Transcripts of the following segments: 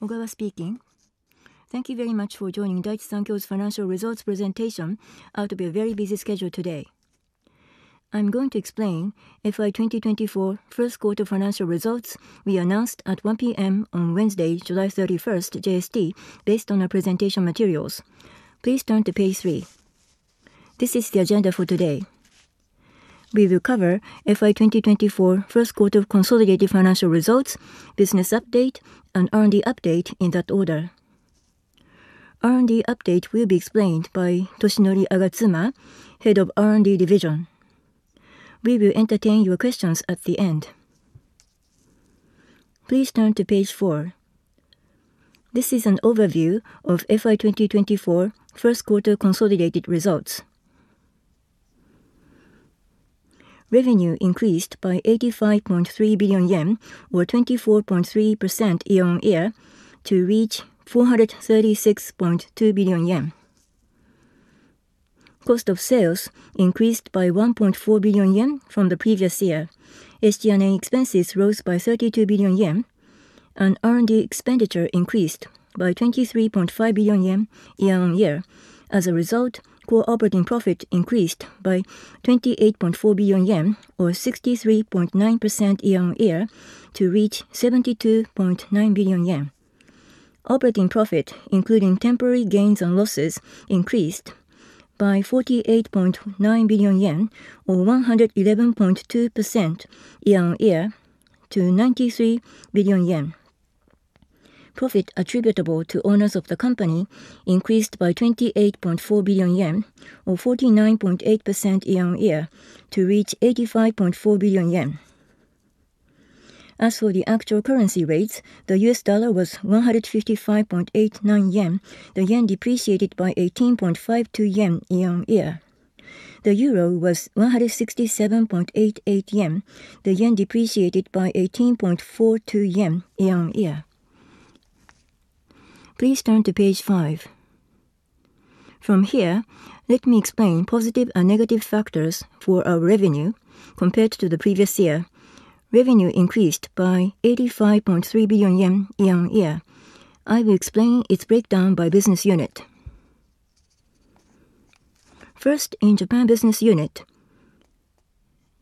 Ogawa speaking. Thank you very much for joining Daiichi Sankyo's financial results presentation out of your very busy schedule today. I am going to explain FY 2024 first quarter financial results we announced at 1:00 P.M. on Wednesday, July 31st, JST, based on our presentation materials. Please turn to page three. This is the agenda for today. We will cover FY 2024 first quarter consolidated financial results, business update, and R&D update in that order. R&D update will be explained by Toshinori Agatsuma, Head of R&D division. We will entertain your questions at the end. Please turn to page four. This is an overview of FY 2024 first quarter consolidated results. Revenue increased by 85.3 billion yen, or 24.3% year-on-year to reach 436.2 billion yen. Cost of sales increased by 1.4 billion yen from the previous year. SG&A expenses rose by 32 billion yen, and R&D expenditure increased by 23.5 billion yen year-on-year. As a result, core operating profit increased by 28.4 billion yen or 63.9% year-on-year to reach 72.9 billion yen. Operating profit, including temporary gains and losses, increased by 48.9 billion yen or 111.2% year-on-year to 93 billion yen. Profit attributable to owners of the company increased by 28.4 billion yen or 49.8% year-on-year to reach 85.4 billion yen. As for the actual currency rates, the U.S. dollar was 155.89 yen. The yen depreciated by 18.52 yen year-on-year. The euro was 167.88 yen. The yen depreciated by 18.42 yen year-on-year. Please turn to page five. From here, let me explain positive and negative factors for our revenue compared to the previous year. Revenue increased by 85.3 billion yen year-on-year. I will explain its breakdown by business unit. First, in Japan business unit.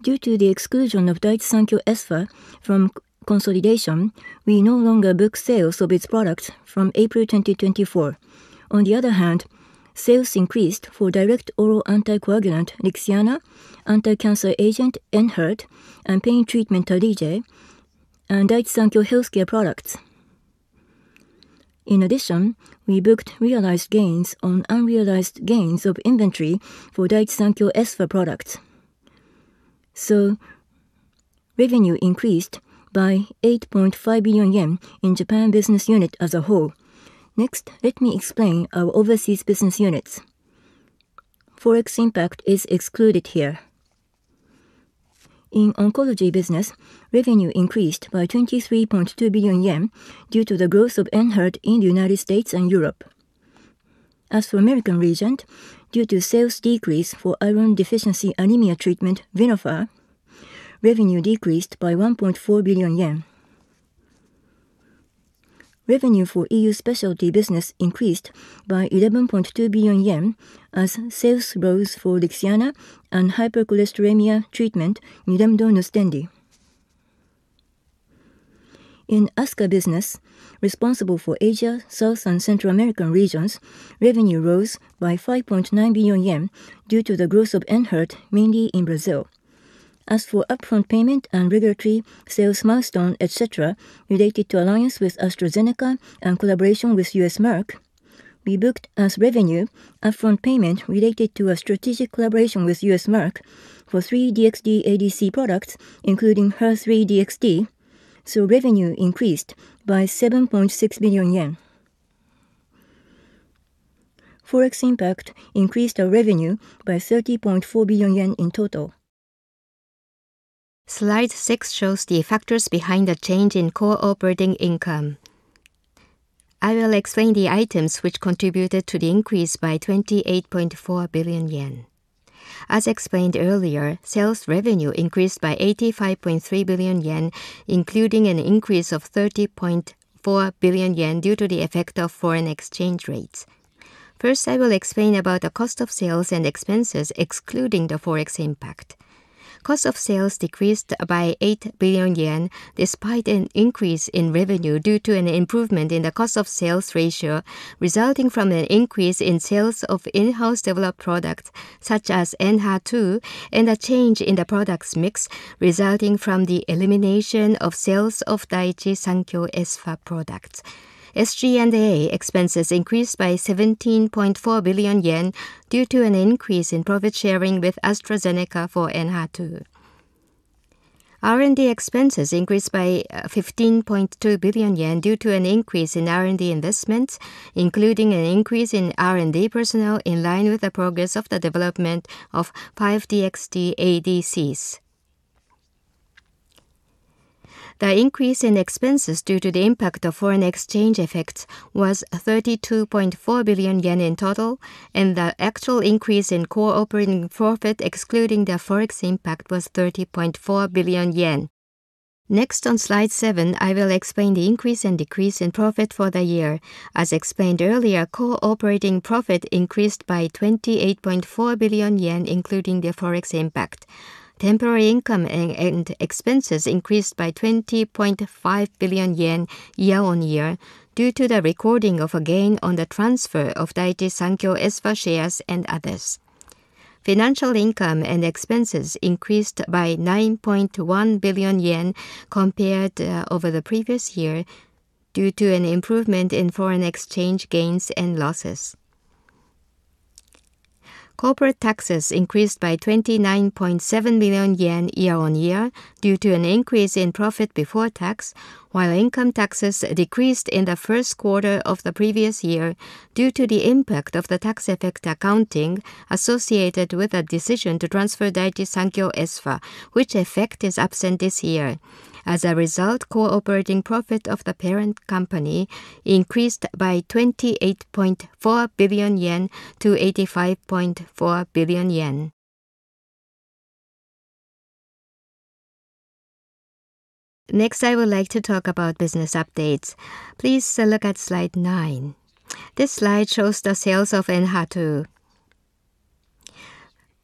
Due to the exclusion of Daiichi Sankyo Espha from consolidation, we no longer book sales of its products from April 2024. On the other hand, sales increased for direct oral anticoagulant LIXIANA, anticancer agent ENHERTU, and pain treatment, Tarlige, and Daiichi Sankyo Healthcare Co., Ltd. products. In addition, we booked realized gains on unrealized gains of inventory for Daiichi Sankyo Espha products. Revenue increased by 8.5 billion yen in Japan business unit as a whole. Next, let me explain our overseas business units. Forex impact is excluded here. In oncology business, revenue increased by 23.2 billion yen due to the growth of ENHERTU in the U.S. and Europe. As for American Regent, Inc., due to sales decrease for iron deficiency anemia treatment, Venofer, revenue decreased by JPY 1.4 billion. Revenue for EU specialty business increased by 11.2 billion yen as sales rose for LIXIANA and hypercholesterolemia treatment, Nilemdo/Nustendi. In ASCA business responsible for Asia, South and Central American regions, revenue rose by 5.9 billion yen due to the growth of ENHERTU, mainly in Brazil. As for upfront payment and regulatory sales milestone, et cetera, related to alliance with AstraZeneca and collaboration with Merck, we booked as revenue upfront payment related to a strategic collaboration with Merck for three DXd-ADC products, including HER3-DXd, revenue increased by JPY 7.6 billion. Forex impact increased our revenue by JPY 30.4 billion in total. Slide six shows the factors behind the change in core operating income. I will explain the items which contributed to the increase by 28.4 billion yen. As explained earlier, sales revenue increased by 85.3 billion yen, including an increase of 30.4 billion yen due to the effect of foreign exchange rates. First, I will explain about the cost of sales and expenses excluding the Forex impact. Cost of sales decreased by 8 billion yen despite an increase in revenue due to an improvement in the cost of sales ratio, resulting from an increase in sales of in-house developed products such as ENHERTU, and a change in the products mix, resulting from the elimination of sales of Daiichi Sankyo Espha products. SG&A expenses increased by 17.4 billion yen due to an increase in profit sharing with AstraZeneca for ENHERTU. R&D expenses increased by 15.2 billion yen due to an increase in R&D investments, including an increase in R&D personnel in line with the progress of the development of five DXd ADCs. The increase in expenses due to the impact of foreign exchange effects was 32.4 billion yen in total, and the actual increase in core operating profit excluding the Forex impact was 30.4 billion yen. Next, on slide seven, I will explain the increase and decrease in profit for the year. As explained earlier, core operating profit increased by 28.4 billion yen, including the Forex impact. Temporary income and expenses increased by 20.5 billion yen year-on-year due to the recording of a gain on the transfer of Daiichi Sankyo Espha shares and others. Financial income and expenses increased by 9.1 billion yen compared over the previous year due to an improvement in foreign exchange gains and losses. Corporate taxes increased by 29.7 billion yen year-on-year due to an increase in profit before tax, while income taxes decreased in the first quarter of the previous year due to the impact of the tax effect accounting associated with a decision to transfer Daiichi Sankyo Espha, which effect is absent this year. As a result, core operating profit of the parent company increased by 28.4 billion yen to 85.4 billion yen. Next, I would like to talk about business updates. Please look at slide nine. This slide shows the sales of ENHERTU.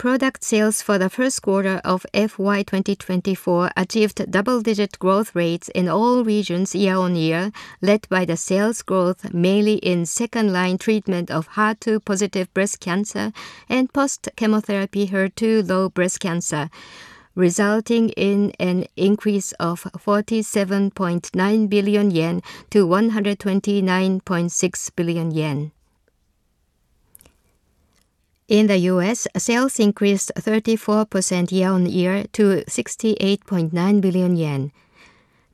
Product sales for the first quarter of FY 2024 achieved double-digit growth rates in all regions year-on-year, led by the sales growth mainly in second-line treatment of HER2-positive breast cancer and post-chemotherapy HER2-low breast cancer, resulting in an increase of 47.9 billion yen to 129.6 billion yen. In the U.S., sales increased 34% year-on-year to 68.9 billion yen.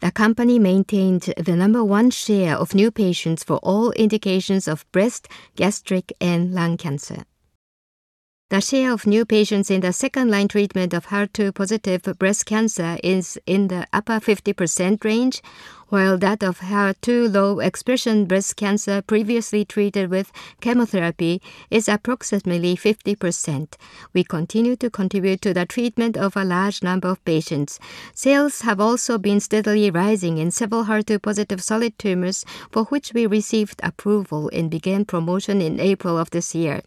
The company maintained the number one share of new patients for all indications of breast, gastric, and lung cancer. The share of new patients in the second-line treatment of HER2-positive breast cancer is in the upper 50% range, while that of HER2-low expression breast cancer previously treated with chemotherapy is approximately 50%. We continue to contribute to the treatment of a large number of patients. Sales have also been steadily rising in several HER2-positive solid tumors for which we received approval and began promotion in April of this year.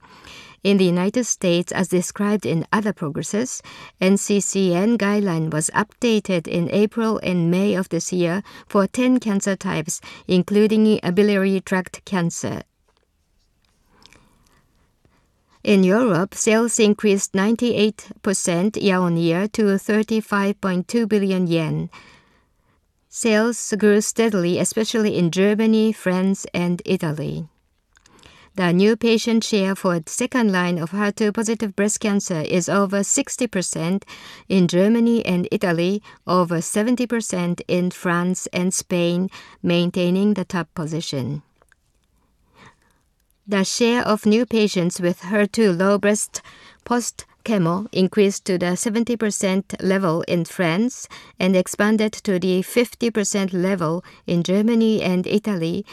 In the United States, as described in other progresses, NCCN guideline was updated in April and May of this year for 10 cancer types, including biliary tract cancer. In Europe, sales increased 98% year-on-year to 35.2 billion yen. Sales grew steadily, especially in Germany, France, and Italy. The new patient share for second-line of HER2-positive breast cancer is over 60% in Germany and Italy, over 70% in France and Spain, maintaining the top position. The share of new patients with HER2-low breast post-chemo increased to the 70% level in France and expanded to the 50% level in Germany and Italy,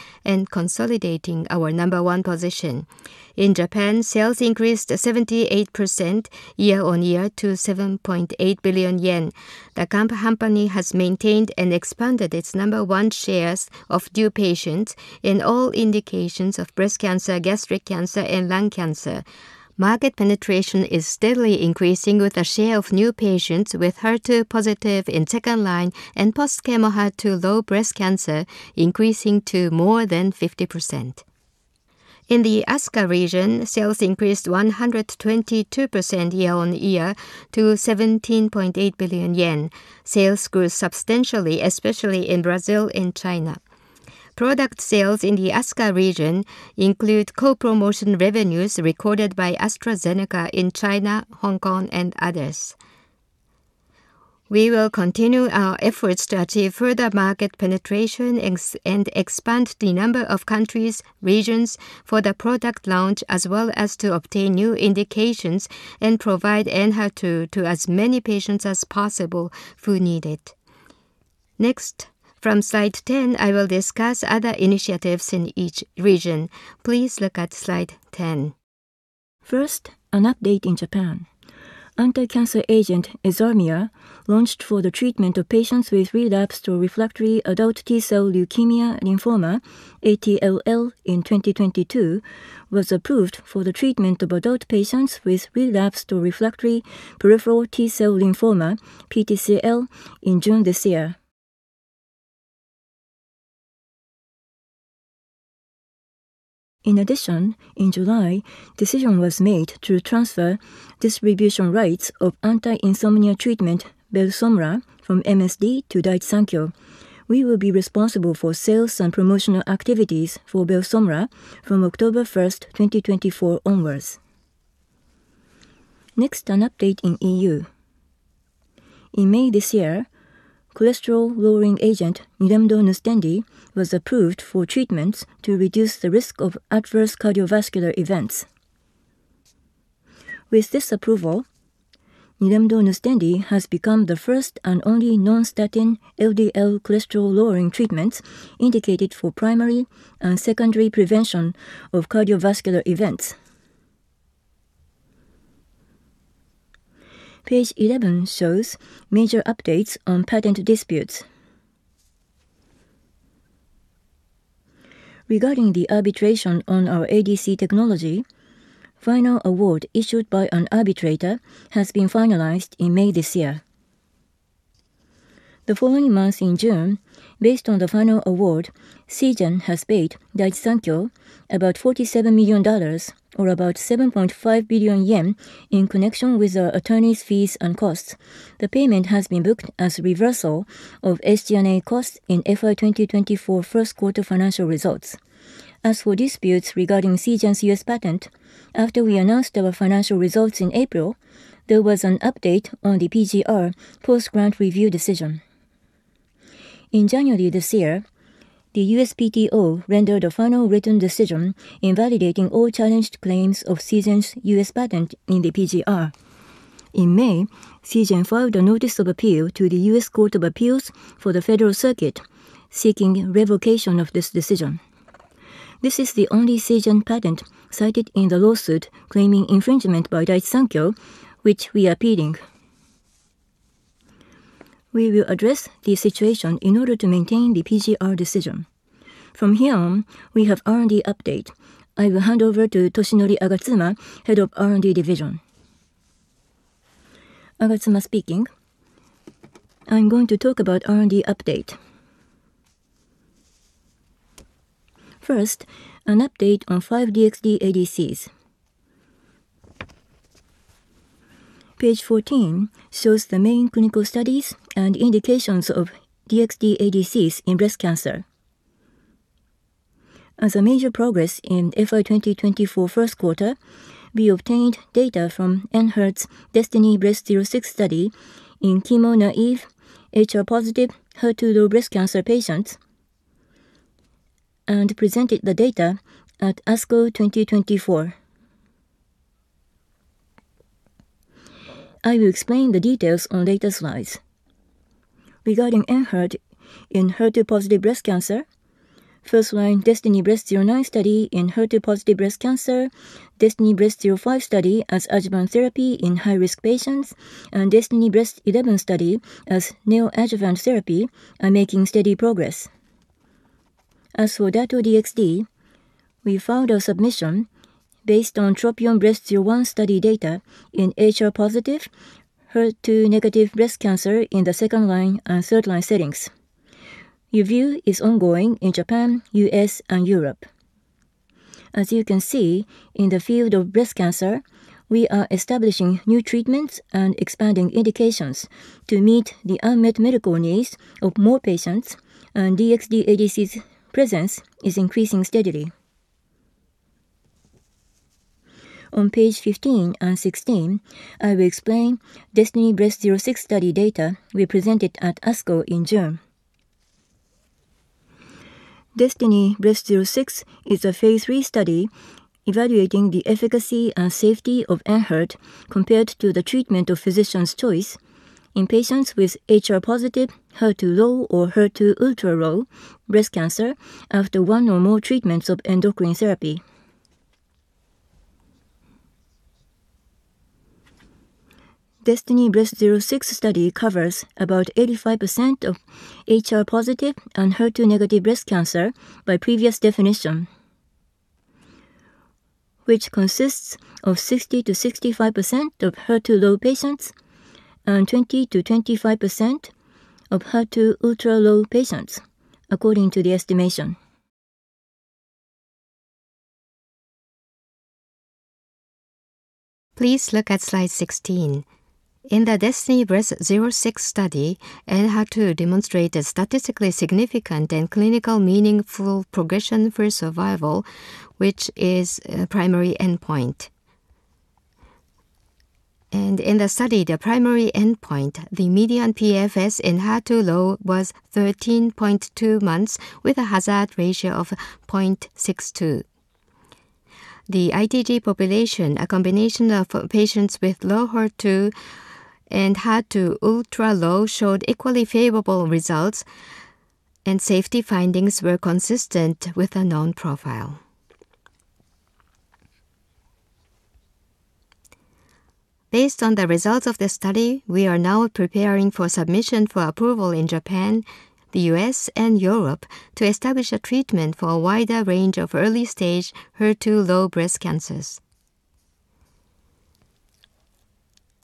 consolidating our number one position. In Japan, sales increased 78% year-on-year to 7.8 billion yen. The company has maintained and expanded its number one shares of new patients in all indications of breast cancer, gastric cancer, and lung cancer. Market penetration is steadily increasing, with a share of new patients with HER2-positive in second-line and post-chemo HER2-low breast cancer increasing to more than 50%. In the ASCA region, sales increased 122% year-on-year to 17.8 billion yen. Sales grew substantially, especially in Brazil and China. Product sales in the ASCA region include co-promotion revenues recorded by AstraZeneca in China, Hong Kong, and others. We will continue our efforts to achieve further market penetration and expand the number of countries/regions for the product launch, as well as to obtain new indications and provide ENHERTU to as many patients as possible who need it. Next, from slide 10, I will discuss other initiatives in each region. Please look at slide 10. First, an update in Japan. Anti-cancer agent, EZHARMIA, launched for the treatment of patients with relapsed or refractory adult T-cell leukemia lymphoma, ATLL, in 2022, was approved for the treatment of adult patients with relapsed or refractory peripheral T-cell lymphoma, PTCL, in June this year. In addition, in July, decision was made to transfer distribution rights of anti-insomnia treatment, BELSOMRA, from MSD to Daiichi Sankyo. We will be responsible for sales and promotional activities for BELSOMRA from October 1st, 2024 onwards. Next, an update in EU. In May this year, cholesterol-lowering agent, Nilemdo NUSTENDI, was approved for treatments to reduce the risk of adverse cardiovascular events. With this approval, Nilemdo-Nustendi has become the first and only non-statin LDL cholesterol-lowering treatment indicated for primary and secondary prevention of cardiovascular events. Page 11 shows major updates on patent disputes. Regarding the arbitration on our ADC technology, final award issued by an arbitrator has been finalized in May this year. The following month in June, based on the final award, Seagen has paid Daiichi Sankyo about $47 million or about 7.5 billion yen in connection with our attorney's fees and costs. The payment has been booked as reversal of SG&A costs in FY 2024 first quarter financial results. As for disputes regarding Seagen's U.S. patent, after we announced our financial results in April, there was an update on the PGR, Post-Grant Review decision. In January this year, the USPTO rendered a final written decision invalidating all challenged claims of Seagen's U.S. patent in the PGR. In May, Seagen filed a notice of appeal to the U.S. Court of Appeals for the Federal Circuit, seeking revocation of this decision. This is the only Seagen patent cited in the lawsuit claiming infringement by Daiichi Sankyo, which we are appealing. We will address the situation in order to maintain the PGR decision. From here on, we have R&D update. I will hand over to Toshinori Agatsuma, Head of R&D Division. Agatsuma speaking. I am going to talk about R&D update. First, an update on five DXd ADCs. Page 14 shows the main clinical studies and indications of DXd ADCs in breast cancer. As a major progress in FY 2024 first quarter, we obtained data from Enhertu's DESTINY-Breast06 study in chemo-naive, HR-positive, HER2-low breast cancer patients, and presented the data at ASCO 2024. I will explain the details on later slides. Regarding Enhertu in HER2-positive breast cancer. First-line DESTINY-Breast09 study in HER2-positive breast cancer, DESTINY-Breast05 study as adjuvant therapy in high-risk patients, and DESTINY-Breast11 study as neoadjuvant therapy are making steady progress. As for Dato-DXd, we filed a submission based on TROPION-Breast01 study data in HR-positive, HER2-negative breast cancer in the second-line and third-line settings. Review is ongoing in Japan, U.S., and Europe. As you can see, in the field of breast cancer, we are establishing new treatments and expanding indications to meet the unmet medical needs of more patients, and DXd ADCs' presence is increasing steadily. On page 15 and 16, I will explain DESTINY-Breast06 study data we presented at ASCO in June. DESTINY-Breast06 is a phase III study evaluating the efficacy and safety of Enhertu compared to the treatment of physician's choice in patients with HR-positive, HER2-low or HER2-ultralow breast cancer after one or more treatments of endocrine therapy. DESTINY-Breast06 study covers about 85% of HR-positive and HER2-negative breast cancer by previous definition. Which consists of 60%-65% of HER2-low patients and 20%-25% of HER2-ultralow patients, according to the estimation. Please look at slide 16. In the DESTINY-Breast06 study, Enhertu demonstrated statistically significant and clinically meaningful progression-free survival, which is a primary endpoint. In the study, the primary endpoint, the median PFS in HER2-low was 13.2 months with a hazard ratio of 0.62. The ITT population, a combination of patients with low HER2 and HER2-ultralow, showed equally favorable results, and safety findings were consistent with a known profile. Based on the results of the study, we are now preparing for submission for approval in Japan, the U.S., and Europe to establish a treatment for a wider range of early-stage HER2-low breast cancers.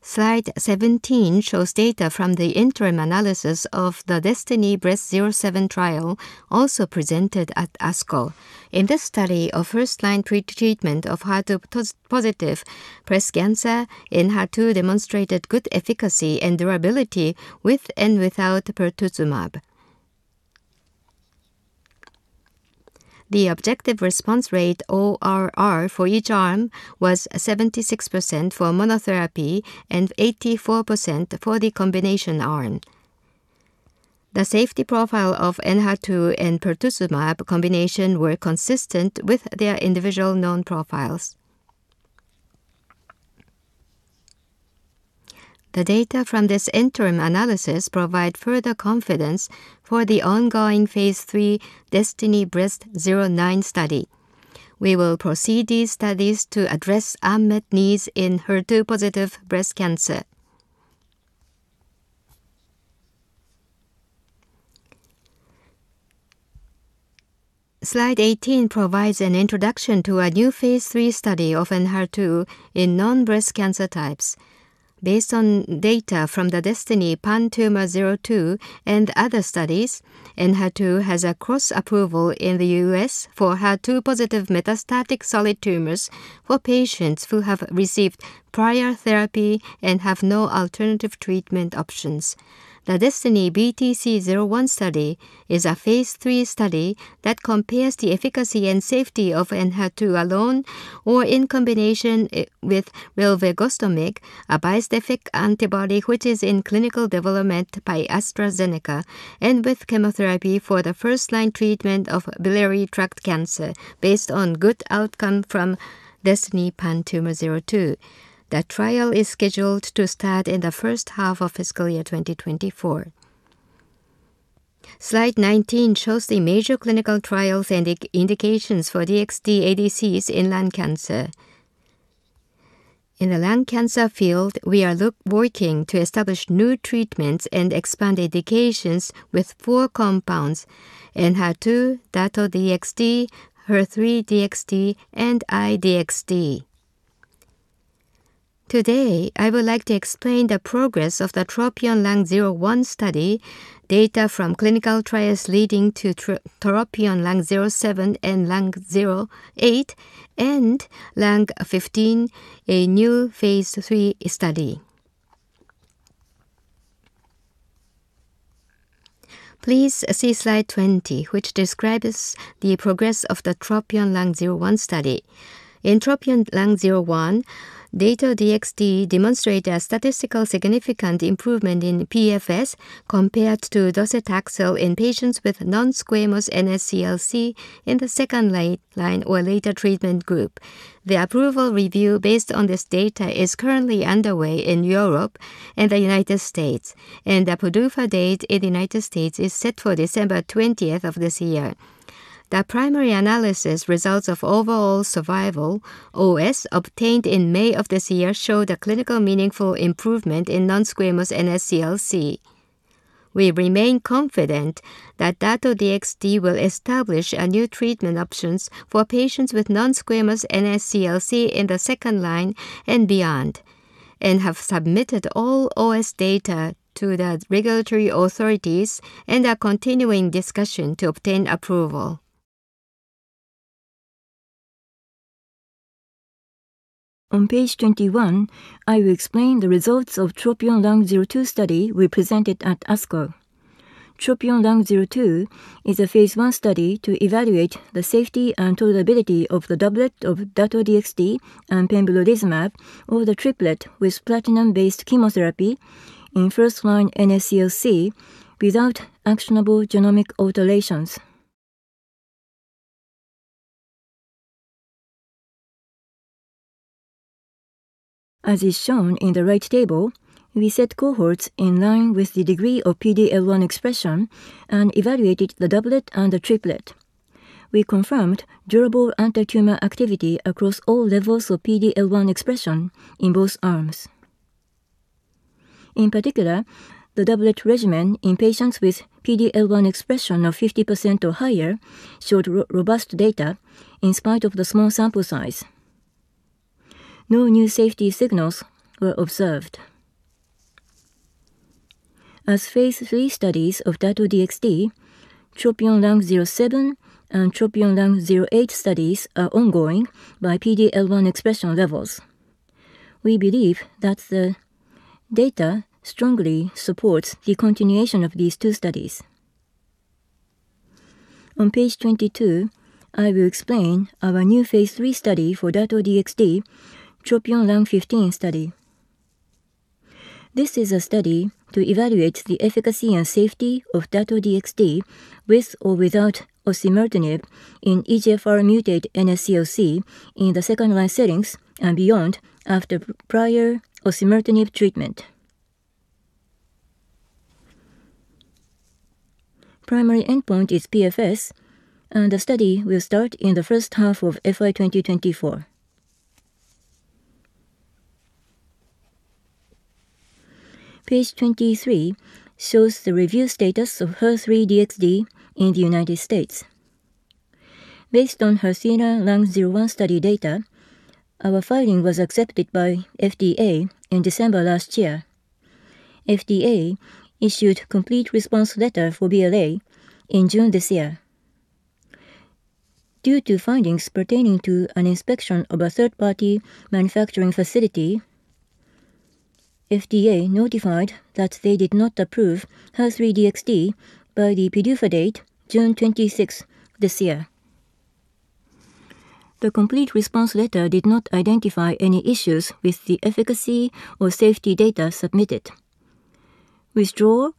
Slide 17 shows data from the interim analysis of the DESTINY-Breast07 trial, also presented at ASCO. In this study, a first-line treatment of HER2-positive breast cancer in HER2 demonstrated good efficacy and durability with and without pertuzumab. The objective response rate, ORR, for each arm was 76% for monotherapy and 84% for the combination arm. The safety profile of ENHERTU and pertuzumab combination were consistent with their individual known profiles. The data from this interim analysis provide further confidence for the ongoing phase III DESTINY-Breast09 study. We will proceed these studies to address unmet needs in HER2-positive breast cancer. Slide 18 provides an introduction to a new phase III study of ENHERTU in non-breast cancer types. Based on data from the DESTINY-PanTumor02 and other studies, ENHERTU has a cross approval in the U.S. for HER2-positive metastatic solid tumors for patients who have received prior therapy and have no alternative treatment options. The DESTINY-BTC01 study is a phase III study that compares the efficacy and safety of ENHERTU alone or in combination with rilvegostimig, a bispecific antibody which is in clinical development by AstraZeneca, and with chemotherapy for the first-line treatment of biliary tract cancer based on good outcome from DESTINY-PanTumor02. The trial is scheduled to start in the first half of fiscal year 2024. Slide 19 shows the major clinical trials and indications for DXd ADCs in lung cancer. In the lung cancer field, we are working to establish new treatments and expand indications with four compounds, ENHERTU, Dato-DXd, HER3-DXd, and I-DXd. Today, I would like to explain the progress of the TROPION-Lung01 study, data from clinical trials leading to TROPION-Lung07 and TROPION-Lung08, and Lung15, a new phase III study. Please see Slide 20, which describes the progress of the TROPION-Lung01 study. In TROPION-Lung01, Dato-DXd demonstrate a statistical significant improvement in PFS compared to docetaxel in patients with non-squamous NSCLC in the second-line or later treatment group. The approval review based on this data is currently underway in Europe and the United States, and the PDUFA date in the United States is set for December 20th of this year. The primary analysis results of overall survival, OS, obtained in May of this year, show the clinical meaningful improvement in non-squamous NSCLC. We remain confident that Dato-DXd will establish a new treatment options for patients with non-squamous NSCLC in the second line and beyond, and have submitted all OS data to the regulatory authorities, and are continuing discussion to obtain approval. On page 21, I will explain the results of TROPION-Lung02 study we presented at ASCO. TROPION-Lung02 is a phase I study to evaluate the safety and tolerability of the doublet of Dato-DXd and pembrolizumab, or the triplet with platinum-based chemotherapy in first-line NSCLC without actionable genomic alterations. As is shown in the right table, we set cohorts in line with the degree of PD-L1 expression and evaluated the doublet and the triplet. We confirmed durable anti-tumor activity across all levels of PD-L1 expression in both arms. In particular, the doublet regimen in patients with PD-L1 expression of 50% or higher showed robust data in spite of the small sample size. No new safety signals were observed. As phase III studies of Dato-DXd, TROPION-Lung07 and TROPION-Lung08 studies are ongoing by PD-L1 expression levels. We believe that the data strongly supports the continuation of these two studies. On page 22, I will explain our new phase III study for Dato-DXd, TROPION-Lung15 study. This is a study to evaluate the efficacy and safety of Dato-DXd with or without osimertinib in EGFR mutant NSCLC in the second-line settings and beyond after prior osimertinib treatment. Primary endpoint is PFS, and the study will start in the first half of FY 2024. Page 23 shows the review status of HER3-DXd in the U.S. Based on HERTHENA-Lung01 study data, our filing was accepted by FDA in December last year. FDA issued complete response letter for BLA in June this year. Due to findings pertaining to an inspection of a third-party manufacturing facility, FDA notified that they did not approve HER3-DXd by the PDUFA date, June 26th this year. The complete response letter did not identify any issues with the efficacy or safety data submitted. Withdrawal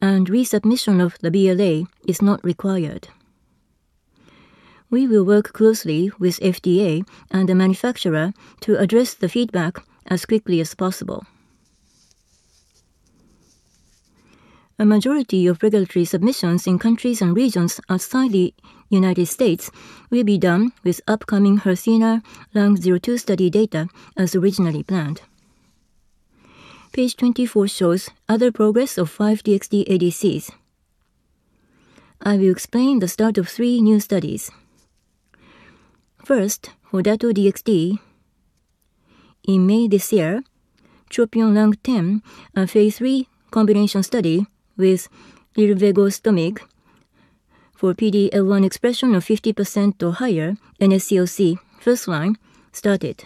and resubmission of the BLA is not required. We will work closely with FDA and the manufacturer to address the feedback as quickly as possible. A majority of regulatory submissions in countries and regions outside the U.S. will be done with upcoming HERTHENA-Lung02 study data, as originally planned. Page 24 shows other progress of five DXd ADCs. I will explain the start of three new studies. First, for Dato-DXd. In May this year, TROPION-Lung 10, a phase III combination study with rilvegostimig for PD-L1 expression of 50% or higher NSCLC first-line started.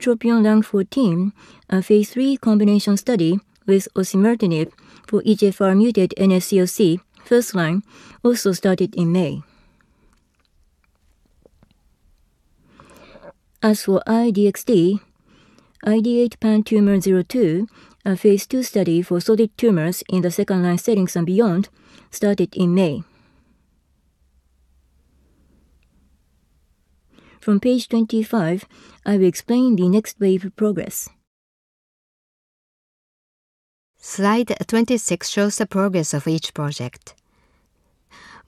TROPION-Lung 14, a phase III combination study with osimertinib for EGFR mutant NSCLC first-line, also started in May. As for I-DXd, I-DXd-PanTumor02, a phase II study for solid tumors in the second-line settings and beyond, started in May. From page 25, I will explain the next wave of progress. Slide 26 shows the progress of each project.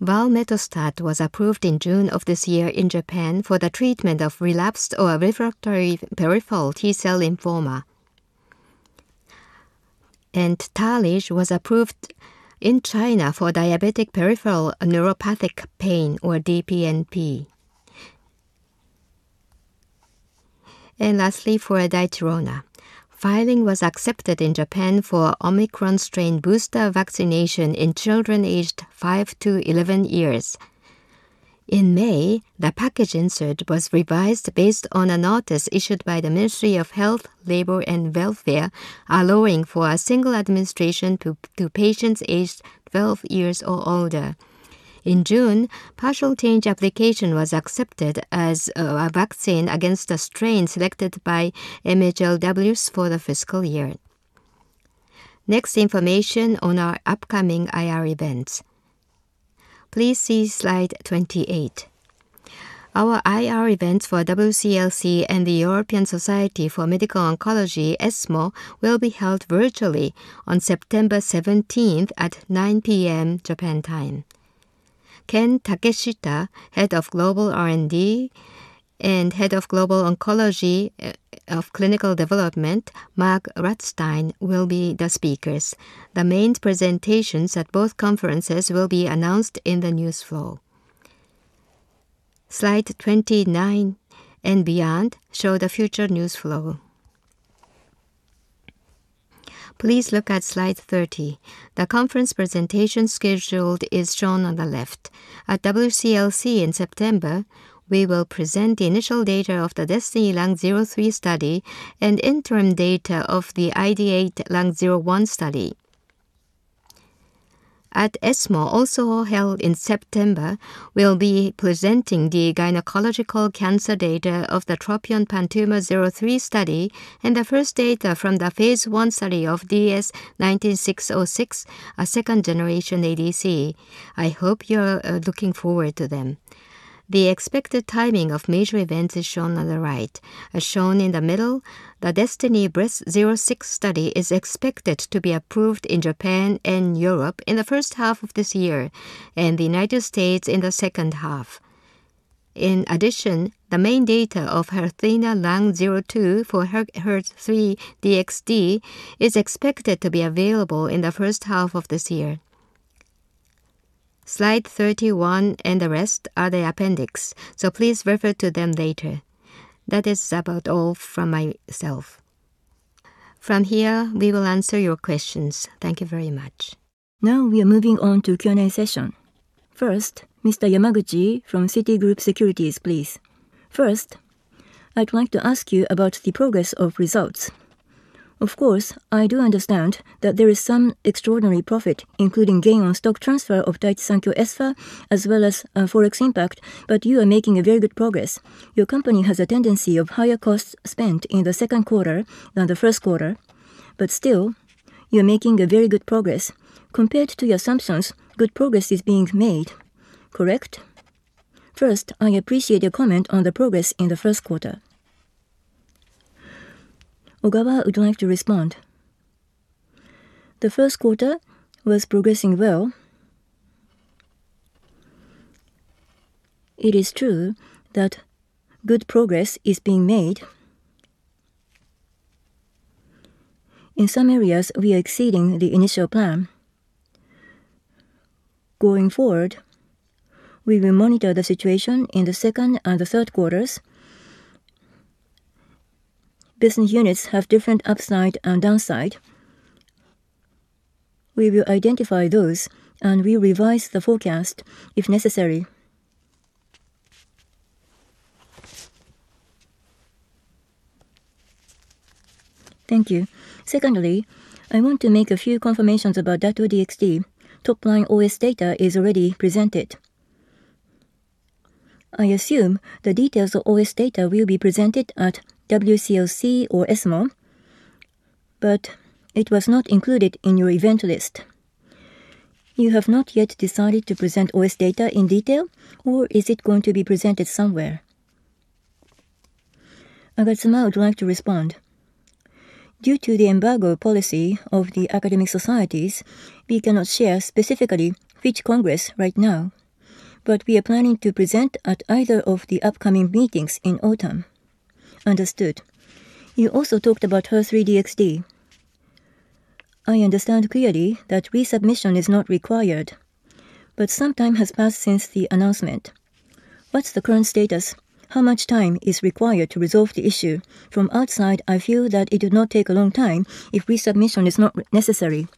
valemetostat was approved in June of this year in Japan for the treatment of relapsed or refractory peripheral T-cell lymphoma. Tarlige was approved in China for diabetic peripheral neuropathic pain, or DPNP. Lastly, for DAICHIRONA. Filing was accepted in Japan for Omicron strain booster vaccination in children aged five to 11 years. In May, the package insert was revised based on a notice issued by the Ministry of Health, Labour, and Welfare, allowing for a single administration to patients aged 12 years or older. Partial change application was accepted as a vaccine against the strain selected by MHLW for the fiscal year. Information on our upcoming IR events. Please see slide 28. Our IR events for WCLC and the European Society for Medical Oncology, ESMO, will be held virtually on September 17th at 9:00 P.M. Japan time. Ken Takeshita, Head of Global R&D, and Head of Global Oncology of Clinical Development, Mark Rutstein, will be the speakers. The main presentations at both conferences will be announced in the news flow. Slide 29 and beyond show the future news flow. Please look at slide 30. The conference presentation scheduled is shown on the left. At WCLC in September, we will present the initial data of the DESTINY-Lung03 study and interim data of the I-DXd-Lung01 study. At ESMO, also held in September, we will be presenting the gynecological cancer data of the TROPION-PanTumor03 study and the first data from the phase I study of DS-9606, a second-generation ADC. I hope you are looking forward to them. The expected timing of major events is shown on the right. As shown in the middle, the DESTINY-Breast06 study is expected to be approved in Japan and Europe in the first half of this year, and the U.S. in the second half. In addition, the main data of HERTHENA-Lung02 for HER3-DXd is expected to be available in the first half of this year. Slide 31 and the rest are the appendix, so please refer to them later. That is about all from myself. From here, we will answer your questions. Thank you very much. Now we are moving on to Q&A session. First, Mr. Yamaguchi from Citigroup Securities, please. First, I would like to ask you about the progress of results. Of course, I do understand that there is some extraordinary profit, including gain on stock transfer of Daiichi Sankyo Espha, as well as a Forex impact, but you are making very good progress. Your company has a tendency of higher costs spent in the second quarter than the first quarter, but still, you are making very good progress. Compared to your assumptions, good progress is being made. Correct? First, I appreciate your comment on the progress in the first quarter. Ogawa, would you like to respond? The first quarter was progressing well. It is true that good progress is being made. In some areas, we are exceeding the initial plan. Going forward, we will monitor the situation in the second and the third quarters. Business units have different upside and downside. We will identify those, and we'll revise the forecast if necessary. Thank you. Secondly, I want to make a few confirmations about Dato-DXd. Top line OS data is already presented. I assume the details of OS data will be presented at WCLC or ESMO, but it was not included in your event list. You have not yet decided to present OS data in detail, or is it going to be presented somewhere? Ogawa would like to respond. Due to the embargo policy of the academic societies, we cannot share specifically which congress right now, but we are planning to present at either of the upcoming meetings in autumn. Understood. You also talked about HER3-DXd. I understand clearly that resubmission is not required, but some time has passed since the announcement. What's the current status? How much time is required to resolve the issue? From outside, I feel that it would not take a long time if resubmission is not necessary.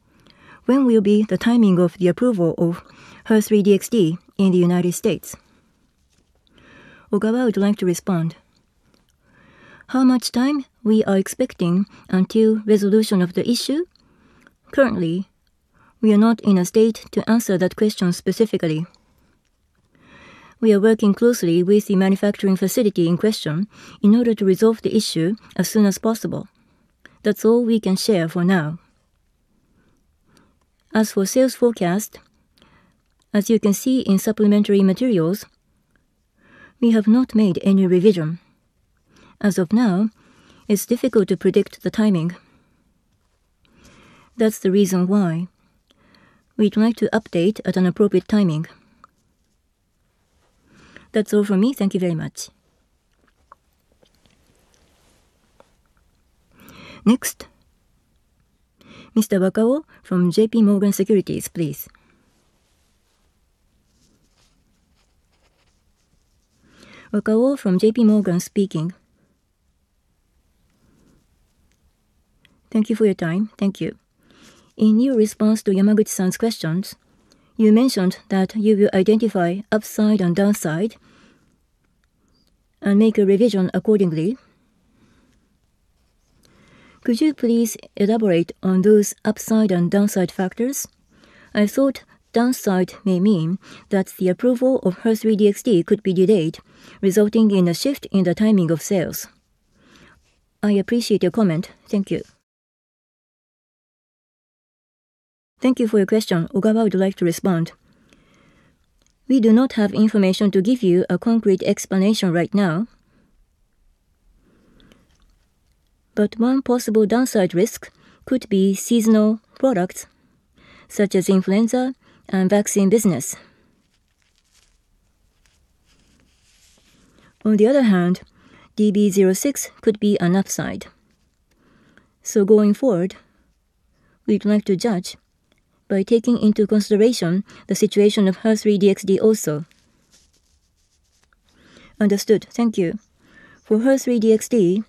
When will be the timing of the approval of HER3-DXd in the United States? Ogawa would like to respond. How much time we are expecting until resolution of the issue? Currently, we are not in a state to answer that question specifically. We are working closely with the manufacturing facility in question in order to resolve the issue as soon as possible. That's all we can share for now. As for sales forecast, as you can see in supplementary materials, we have not made any revision. As of now, it's difficult to predict the timing. That's the reason why we try to update at an appropriate timing. That's all from me. Thank you very much. Next, Mr. Seiji from J.P. Morgan Securities, please. Seiji from J.P. Morgan speaking. Thank you for your time. Thank you. In your response to Hidemaru-san's questions, you mentioned that you will identify upside and downside and make a revision accordingly. Could you please elaborate on those upside and downside factors? I thought downside may mean that the approval of HER3-DXd could be delayed, resulting in a shift in the timing of sales. I appreciate your comment. Thank you. Thank you for your question. Ogawa would like to respond. We do not have information to give you a concrete explanation right now, but one possible downside risk could be seasonal products, such as influenza and vaccine business. On the other hand, DB06 could be an upside. Going forward, we would like to judge by taking into consideration the situation of HER3-DXd also. Understood. Thank you. For HER3-DXd,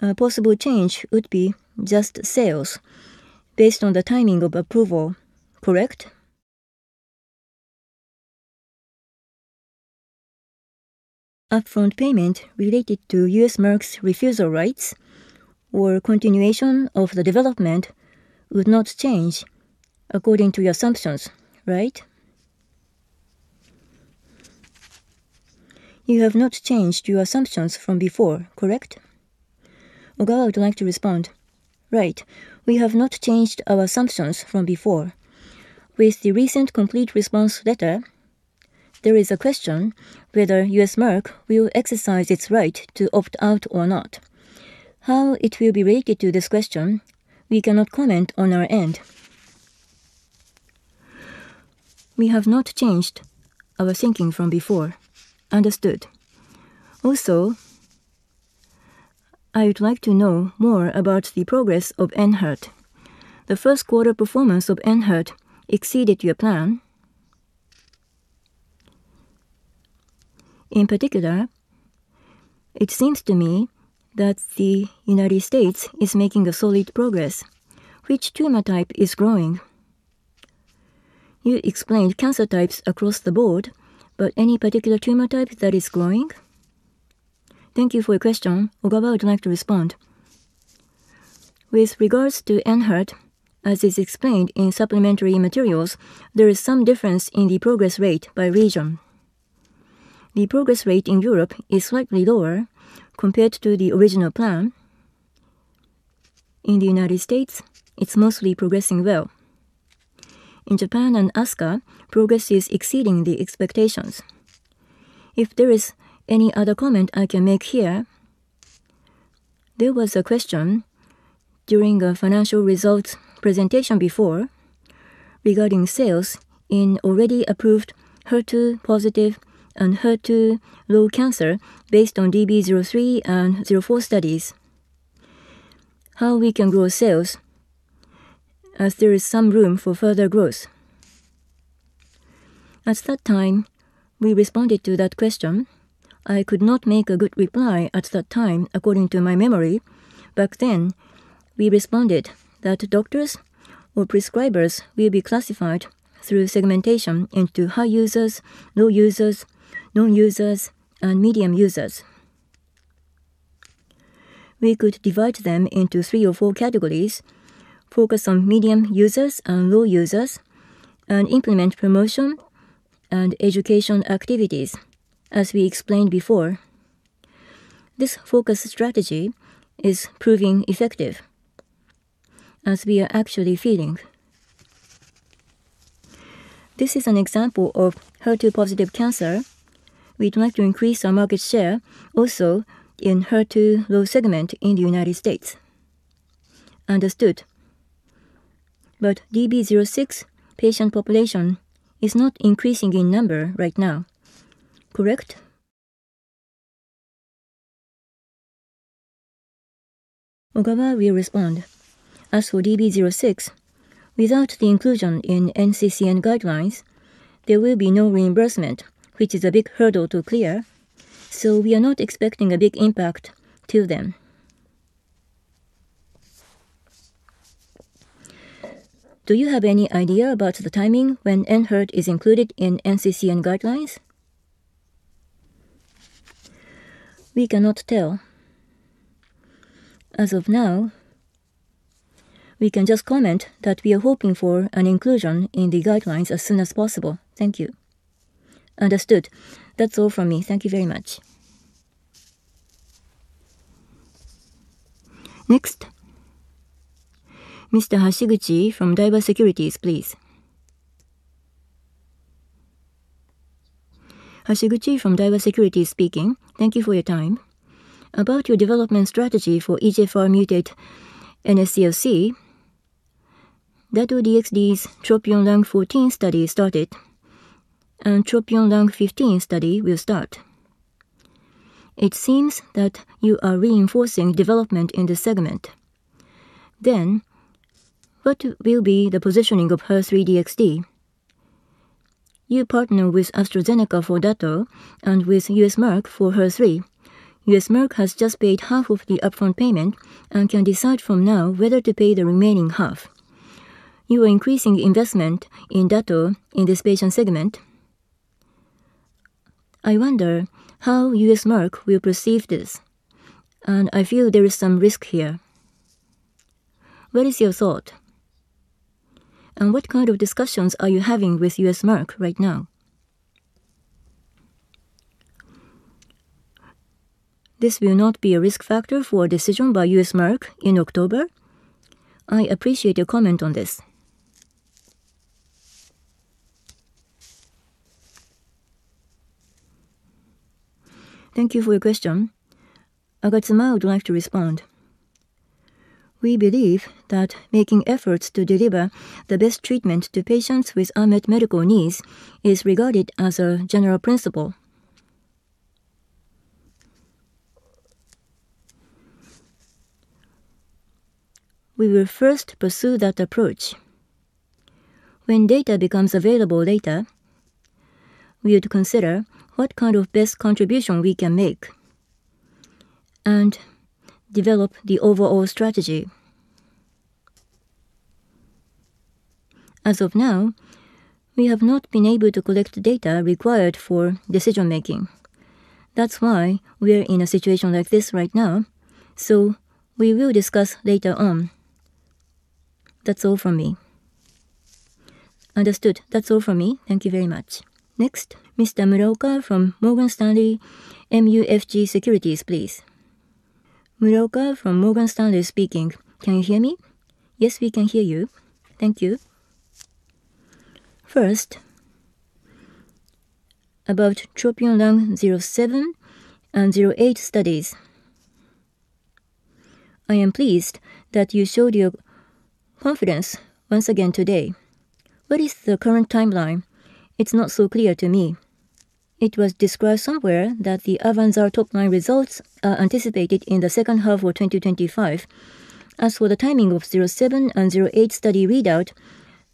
a possible change would be just sales based on the timing of approval, correct? Upfront payment related to U.S. Merck's refusal rights or continuation of the development would not change according to your assumptions, right? You have not changed your assumptions from before, correct? Ogawa would like to respond. Right. We have not changed our assumptions from before. With the recent complete response letter, there is a question whether U.S. Merck will exercise its right to opt out or not. How it will be related to this question, we cannot comment on our end. We have not changed our thinking from before. Understood. Also, I would like to know more about the progress of ENHERTU. The first quarter performance of ENHERTU exceeded your plan. In particular, it seems to me that the United States is making a solid progress. Which tumor type is growing? You explained cancer types across the board, but any particular tumor type that is growing? Thank you for your question. Ogawa would like to respond. With regards to ENHERTU, as is explained in supplementary materials, there is some difference in the progress rate by region. The progress rate in Europe is slightly lower compared to the original plan. In the United States, it's mostly progressing well. In Japan and ASCA, progress is exceeding the expectations. If there is any other comment I can make here, there was a question during a financial results presentation before regarding sales in already approved HER2 positive and HER2-low cancer based on DB03 and 04 studies. How we can grow sales as there is some room for further growth. At that time, we responded to that question. I could not make a good reply at that time according to my memory. Back then, we responded that doctors or prescribers will be classified through segmentation into high users, low users, non-users, and medium users. We could divide them into three or four categories, focus on medium users and low users, and implement promotion and education activities, as we explained before. This focus strategy is proving effective, as we are actually feeling. This is an example of HER2-positive cancer. We'd like to increase our market share also in HER2-low segment in the U.S. Understood. DB06 patient population is not increasing in number right now, correct? Ogawa will respond. As for DB06, without the inclusion in NCCN guidelines, there will be no reimbursement, which is a big hurdle to clear. We are not expecting a big impact to them. Do you have any idea about the timing when ENHERTU is included in NCCN guidelines? We cannot tell. As of now, we can just comment that we are hoping for an inclusion in the guidelines as soon as possible. Thank you. Understood. That's all from me. Thank you very much. Next, Mr. Hashiguchi from Daiwa Securities, please. Hashiguchi from Daiwa Securities speaking. Thank you for your time. About your development strategy for EGFR mutant NSCLC, Dato-DXd's TROPION-Lung 14 study started, TROPION-Lung 15 study will start. It seems that you are reinforcing development in this segment. What will be the positioning of HER3-DXd? You partner with AstraZeneca for Dato and with Merck for HER3. Merck has just paid half of the upfront payment and can decide from now whether to pay the remaining half. You are increasing investment in Dato in this patient segment. I wonder how Merck will perceive this, and I feel there is some risk here. What is your thought? What kind of discussions are you having with Merck right now? This will not be a risk factor for a decision by Merck in October. I appreciate your comment on this. Thank you for your question. Agatsuma would like to respond. We believe that making efforts to deliver the best treatment to patients with unmet medical needs is regarded as a general principle. We will first pursue that approach. When data becomes available later, we would consider what kind of best contribution we can make and develop the overall strategy. As of now, we have not been able to collect data required for decision-making. That's why we're in a situation like this right now. We will discuss later on. That's all from me. Understood. That's all from me. Thank you very much. Next, Mr. Muraoka from Morgan Stanley MUFG Securities, please. Muraoka from Morgan Stanley speaking. Can you hear me? Yes, we can hear you. Thank you. First, about TROPION-Lung07 and TROPION-Lung08 studies. I am pleased that you showed your confidence once again today. What is the current timeline? It's not so clear to me. It was described somewhere that the AVANZAR top-line results are anticipated in the second half of 2025. As for the timing of TROPION-Lung07 and TROPION-Lung08 study readout,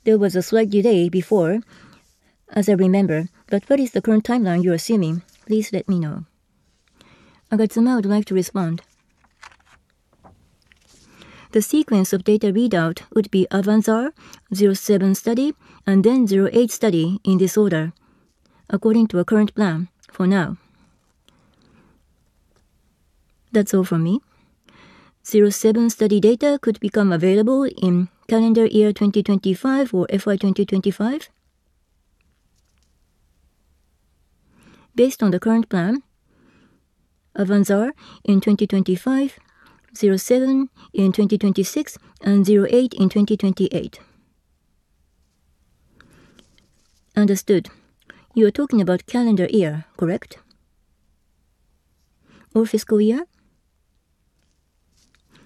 there was a slight delay before, as I remember. What is the current timeline you're assuming? Please let me know. Agatsuma would like to respond. The sequence of data readout would be AVANZAR, TROPION-Lung07 study, and TROPION-Lung08 study in this order, according to our current plan for now. That's all from me. TROPION-Lung07 study data could become available in calendar year 2025 or FY 2025? Based on the current plan, AVANZAR in 2025, TROPION-Lung07 in 2026, and TROPION-Lung08 in 2028. Understood. You're talking about calendar year, correct? Or fiscal year?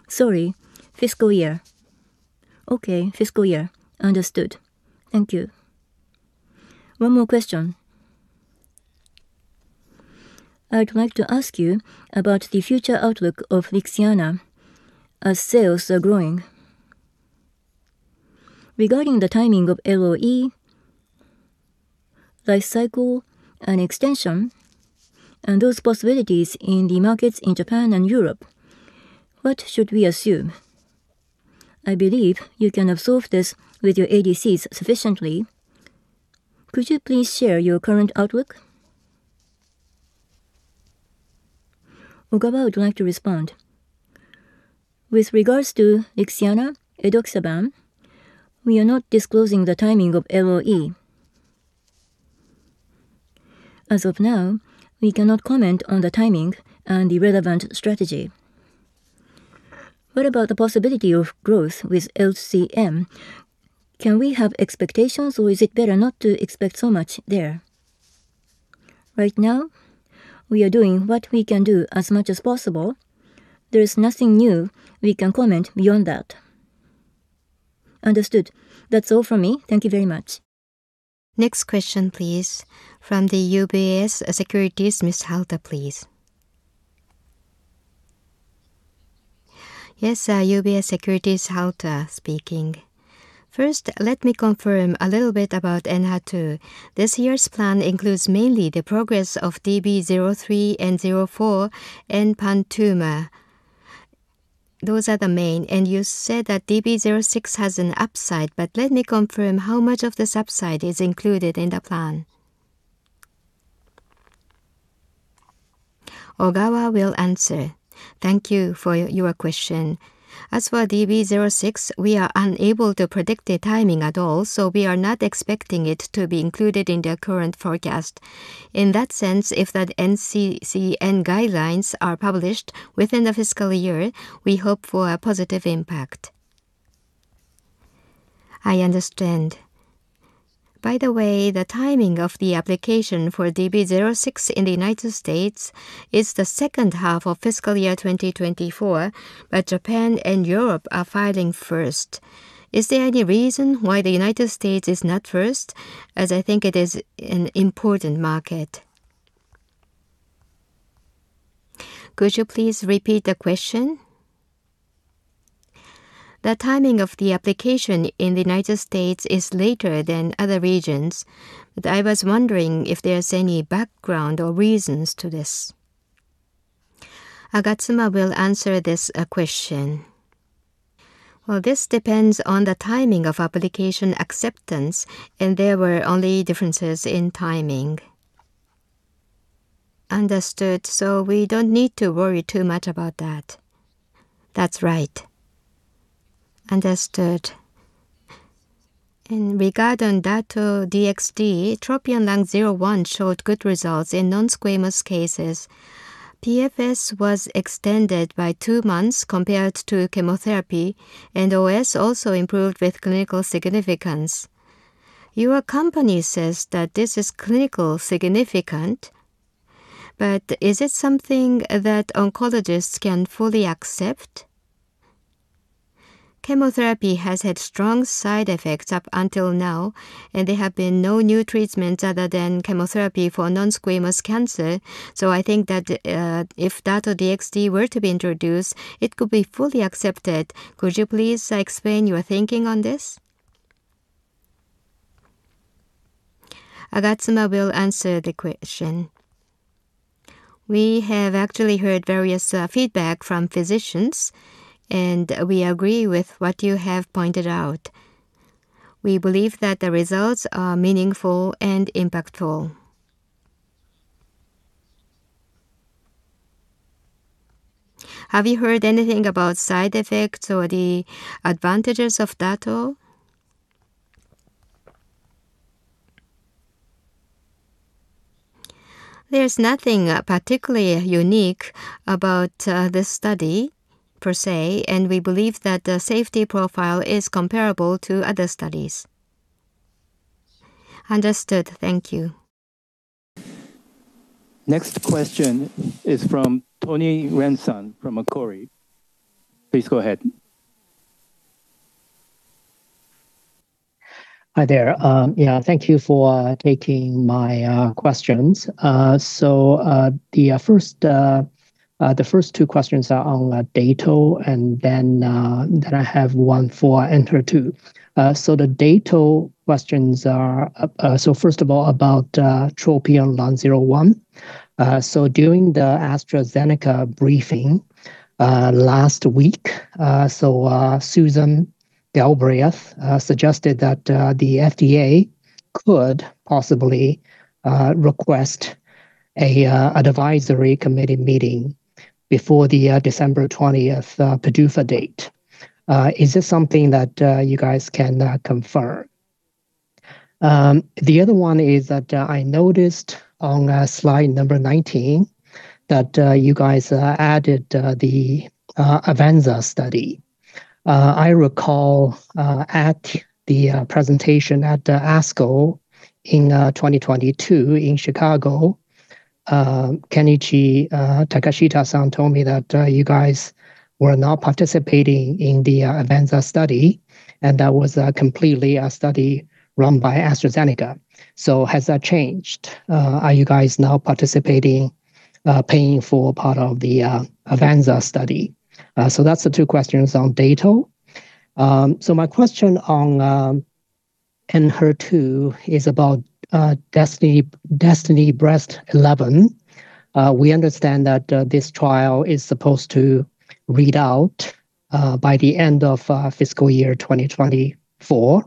Sorry, fiscal year. Okay, fiscal year. Understood. Thank you. One more question. I'd like to ask you about the future outlook of Lixiana as sales are growing. Regarding the timing of LOE, lifecycle and extension, and those possibilities in the markets in Japan and Europe, what should we assume? I believe you can observe this with your ADCs sufficiently. Could you please share your current outlook? Ogawa would like to respond. With regards to Lixiana, edoxaban, we are not disclosing the timing of LOE. As of now, we cannot comment on the timing and the relevant strategy. What about the possibility of growth with LCM? Can we have expectations, or is it better not to expect so much there? Right now, we are doing what we can do as much as possible. There's nothing new we can comment beyond that. Understood. That's all from me. Thank you very much. Next question, please, from the UBS Securities. Ms. Halta, please. Yes, UBS Securities, Halta speaking. First, let me confirm a little bit about ENHERTU. This year's plan includes mainly the progress of DB03 and DB04, Enhertu MAA. Those are the main. You said that DB06 has an upside, but let me confirm how much of this upside is included in the plan. Ogawa will answer. Thank you for your question. As for DB06, we are unable to predict the timing at all, so we are not expecting it to be included in the current forecast. In that sense, if the NCCN guidelines are published within the fiscal year, we hope for a positive impact. I understand. By the way, the timing of the application for DB06 in the U.S. is the second half of fiscal year 2024, but Japan and Europe are filing first. Is there any reason why the U.S. is not first, as I think it is an important market? Could you please repeat the question? The timing of the application in the U.S. is later than other regions, but I was wondering if there's any background or reasons to this. Agatsuma will answer this question. This depends on the timing of application acceptance, and there were only differences in timing. Understood. We don't need to worry too much about that. That's right. Understood. In regard on Dato-DXd, TROPION-Lung01 showed good results in non-squamous cases. PFS was extended by two months compared to chemotherapy, and OS also improved with clinical significance. Your company says that this is clinical significant, but is it something that oncologists can fully accept? Chemotherapy has had strong side effects up until now, and there have been no new treatments other than chemotherapy for non-squamous cancer. I think that, if Dato-DXd were to be introduced, it could be fully accepted. Could you please explain your thinking on this? Agatsuma will answer the question. We have actually heard various feedback from physicians, and we agree with what you have pointed out. We believe that the results are meaningful and impactful. Have you heard anything about side effects or the advantages of Dato? There's nothing particularly unique about this study per se, and we believe that the safety profile is comparable to other studies. Understood. Thank you. Next question is from Tony Ren from Macquarie. Please go ahead. Hi there. Thank you for taking my questions. The first two questions are on Dato, and then I have one for ENHERTU. The Dato questions are, first of all, about TROPION-Lung01. During the AstraZeneca briefing last week, Susan Galbraith suggested that the FDA could possibly request an advisory committee meeting before the December 20th PDUFA date. Is this something that you guys can confirm? The other one is that I noticed on slide number 19 that you guys added the AVANZAR study. I recall at the presentation at ASCO in 2022 in Chicago, Ken Takeshita-san told me that you guys were not participating in the AVANZAR study, and that was completely a study run by AstraZeneca. Has that changed? Are you guys now participating? paying for part of the AVANZAR study. That's the two questions on Dato. My question on ENHERTU is about DESTINY-Breast11. We understand that this trial is supposed to read out by the end of fiscal year 2024.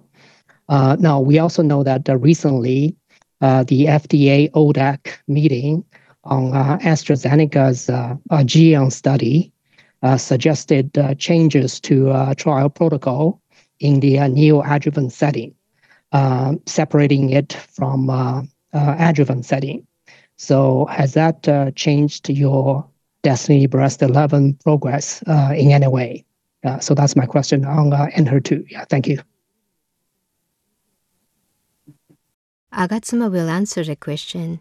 We also know that recently, the FDA ODAC meeting on AstraZeneca's AEGEAN study suggested changes to trial protocol in the neoadjuvant setting, separating it from adjuvant setting. Has that changed your DESTINY-Breast11 progress in any way? That's my question on ENHERTU. Yeah, thank you. Agatsuma will answer the question.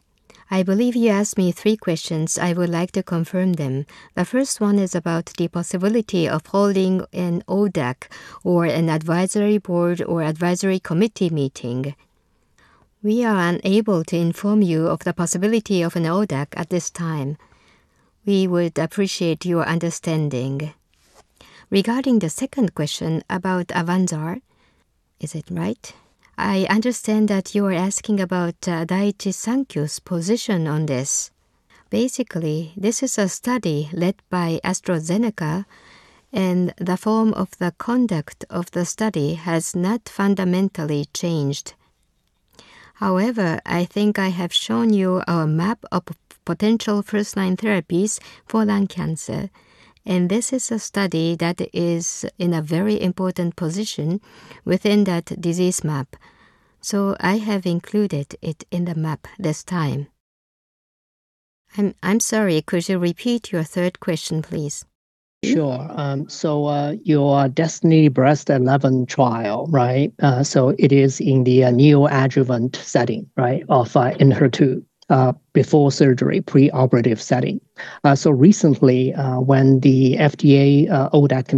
I believe you asked me three questions. I would like to confirm them. The first one is about the possibility of holding an ODAC or an advisory board or advisory committee meeting. We are unable to inform you of the possibility of an ODAC at this time. We would appreciate your understanding. Regarding the second question about AVANZAR, is it right? I understand that you are asking about Daiichi Sankyo's position on this. Basically, this is a study led by AstraZeneca, and the form of the conduct of the study has not fundamentally changed. However, I think I have shown you our map of potential first-line therapies for lung cancer, and this is a study that is in a very important position within that disease map. I have included it in the map this time. I'm sorry. Could you repeat your third question, please? Sure. Your DESTINY-Breast11 trial. It is in the neoadjuvant setting of ENHERTU before surgery, preoperative setting. Recently, when the FDA ODAC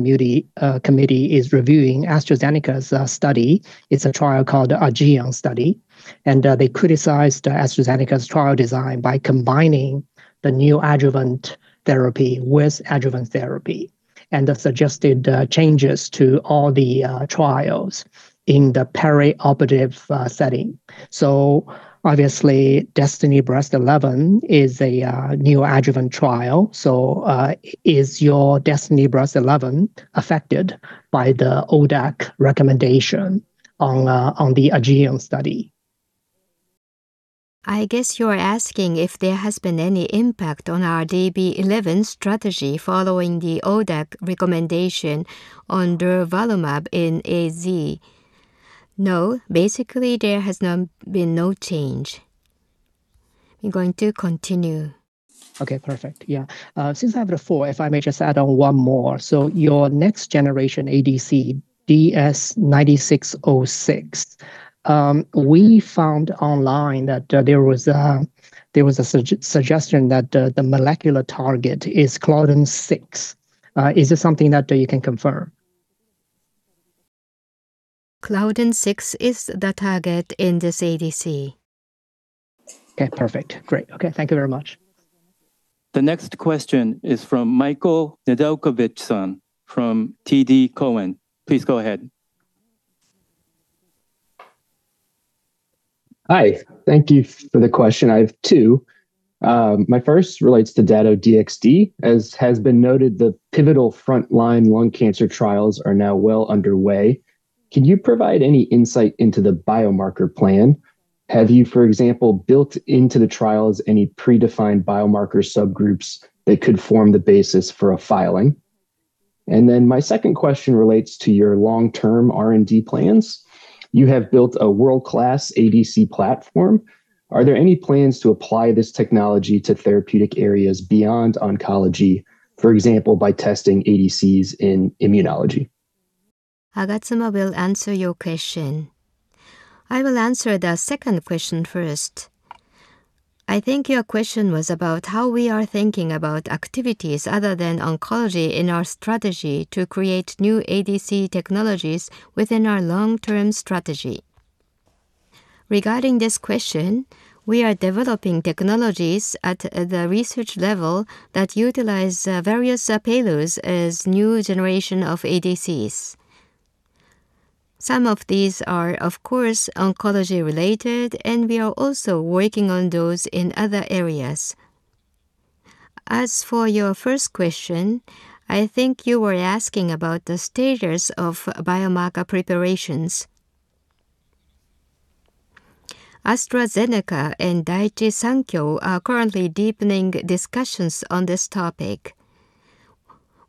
committee is reviewing AstraZeneca's study, it's a trial called AEGEAN Study. They criticized AstraZeneca's trial design by combining the neoadjuvant therapy with adjuvant therapy and suggested changes to all the trials in the perioperative setting. Obviously, DESTINY-Breast11 is a neoadjuvant trial. Is your DESTINY-Breast11 affected by the ODAC recommendation on the AEGEAN Study? I guess you're asking if there has been any impact on our DB 11 strategy following the ODAC recommendation on durvalumab in AstraZeneca. No, basically, there has been no change. I'm going to continue. Okay, perfect. Yeah. Since I have the floor, if I may just add on one more. Your next generation ADC, DS-9606. We found online that there was a suggestion that the molecular target is claudin 6. Is this something that you can confirm? Claudin 6 is the target in this ADC. Okay, perfect. Great. Okay. Thank you very much. The next question is from Michael Nedelcovych-san from TD Cowen. Please go ahead. Hi. Thank you for the question. I have two. My first relates to Dato-DXd. As has been noted, the pivotal frontline lung cancer trials are now well underway. Can you provide any insight into the biomarker plan? Have you, for example, built into the trials any predefined biomarker subgroups that could form the basis for a filing? My second question relates to your long-term R&D plans. You have built a world-class ADC platform. Are there any plans to apply this technology to therapeutic areas beyond oncology, for example, by testing ADCs in immunology? Agatsuma will answer your question. I will answer the second question first. I think your question was about how we are thinking about activities other than oncology in our strategy to create new ADC technologies within our long-term strategy. Regarding this question, we are developing technologies at the research level that utilize various payloads as new generation of ADCs. Some of these are, of course, oncology related, and we are also working on those in other areas. As for your first question, I think you were asking about the status of biomarker preparations. AstraZeneca and Daiichi Sankyo are currently deepening discussions on this topic.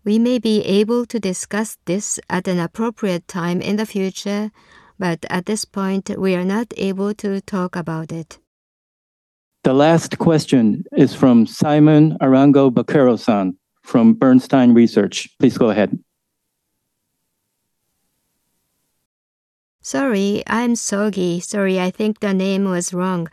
We may be able to discuss this at an appropriate time in the future, but at this point, we are not able to talk about it. The last question is from Simon Arango Baquero-san from Bernstein Research. Please go ahead. Sorry, I'm Soggy. Sorry, I think the name was wrong.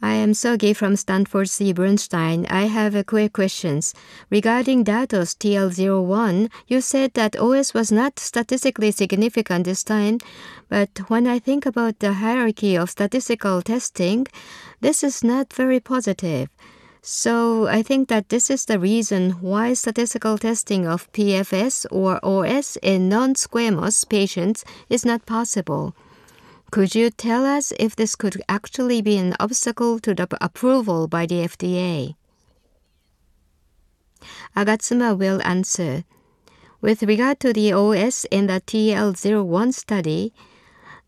I am Soggy from Sanford C. Bernstein. I have quick questions. Regarding Dato's TL01, you said that OS was not statistically significant this time, when I think about the hierarchy of statistical testing, this is not very positive. I think that this is the reason why statistical testing of PFS or OS in non-squamous patients is not possible. Could you tell us if this could actually be an obstacle to the approval by the FDA? Agatsuma will answer. With regard to the OS in the TL01 study,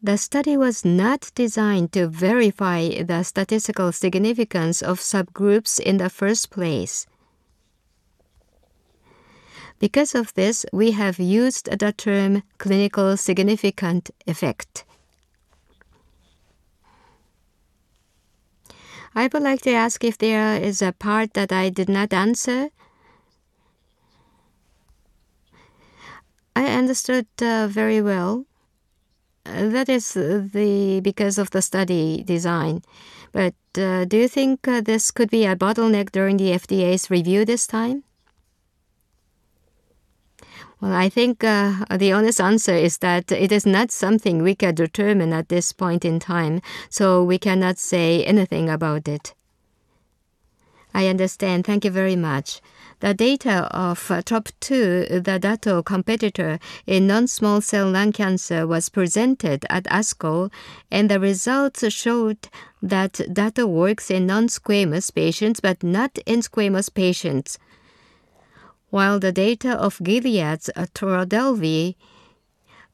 the study was not designed to verify the statistical significance of subgroups in the first place. Because of this, we have used the term clinical significant effect. I would like to ask if there is a part that I did not answer. I understood very well. That is because of the study design. Do you think this could be a bottleneck during the FDA's review this time? I think the honest answer is that it is not something we can determine at this point in time, we cannot say anything about it. I understand. Thank you very much. The data of TROP2, the Dato competitor in non-small cell lung cancer, was presented at ASCO, and the results showed that Dato works in non-squamous patients, but not in squamous patients. While the data of Gilead's TRODELVY,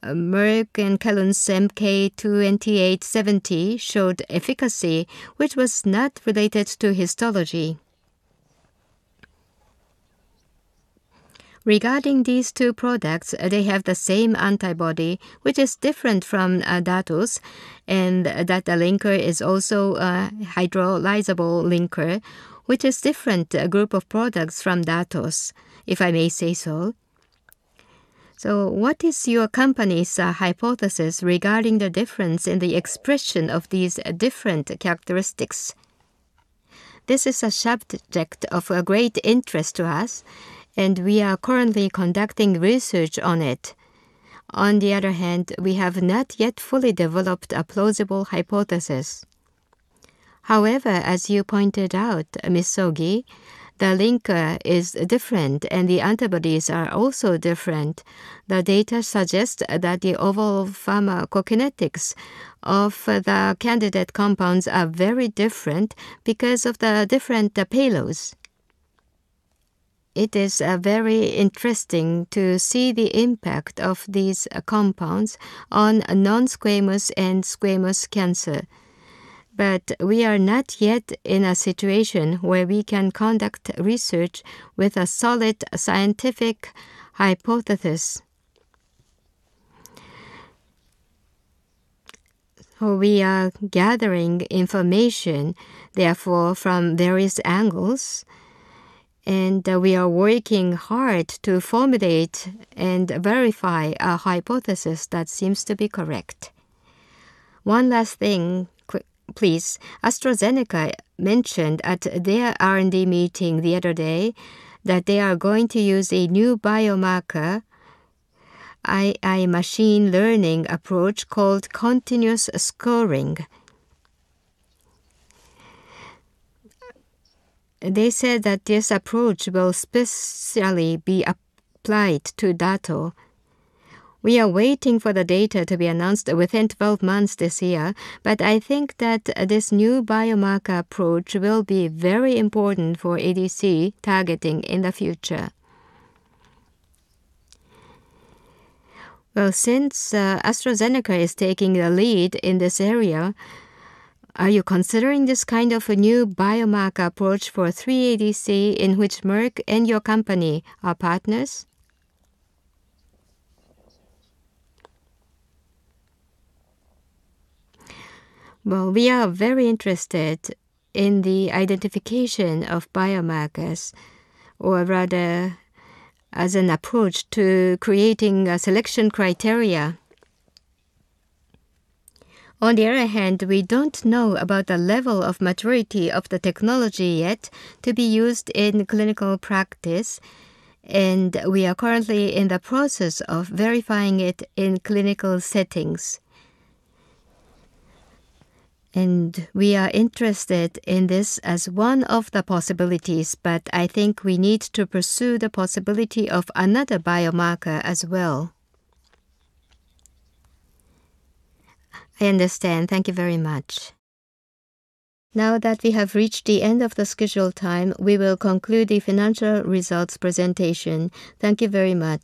Merck and Kelun's MK-2870 showed efficacy, which was not related to histology. Regarding these two products, they have the same antibody, which is different from Dato's, and Dato linker is also a hydrolyzable linker, which is different group of products from Dato's, if I may say so. What is your company's hypothesis regarding the difference in the expression of these different characteristics? This is a subject of great interest to us, and we are currently conducting research on it. On the other hand, we have not yet fully developed a plausible hypothesis. However, as you pointed out, Ms. Soggy, the linker is different and the antibodies are also different. The data suggests that the overall pharmacokinetics of the candidate compounds are very different because of the different payloads. It is very interesting to see the impact of these compounds on non-squamous and squamous cancer. We are not yet in a situation where we can conduct research with a solid scientific hypothesis. We are gathering information, therefore, from various angles, and we are working hard to formulate and verify a hypothesis that seems to be correct. One last thing, please. AstraZeneca mentioned at their R&D meeting the other day that they are going to use a new biomarker, AI machine learning approach called continuous scoring. They said that this approach will specifically be applied to Dato. We are waiting for the data to be announced within 12 months this year, but I think that this new biomarker approach will be very important for ADC targeting in the future. Well, since AstraZeneca is taking the lead in this area, are you considering this kind of a new biomarker approach for 3ADC in which Merck and your company are partners? Well, we are very interested in the identification of biomarkers, or rather, as an approach to creating a selection criteria. On the other hand, we don't know about the level of maturity of the technology yet to be used in clinical practice, and we are currently in the process of verifying it in clinical settings. We are interested in this as one of the possibilities, but I think we need to pursue the possibility of another biomarker as well. I understand. Thank you very much. Now that we have reached the end of the scheduled time, we will conclude the financial results presentation. Thank you very much.